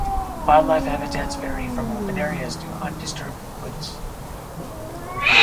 Wildlife habitats vary from open areas to undisturbed woods.